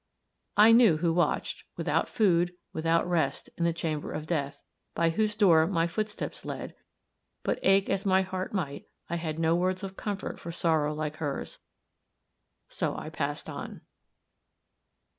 I knew who watched, without food, without rest, in the chamber of death, by whose door my footsteps led; but ache as my heart might, I had no words of comfort for sorrow like hers so I passed on.